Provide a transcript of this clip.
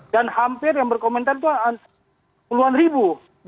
dan hampir yang berkomentar itu puluhan ribu